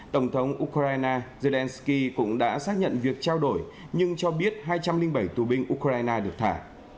tổng thống ukraine zelensky cũng đã xác nhận việc trao đổi nhưng cho biết hai trăm linh bảy tù binh ukraine được thả